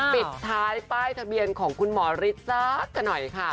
ปิดท้ายป้ายทะเบียนของคุณหมอฤทธิ์สักกันหน่อยค่ะ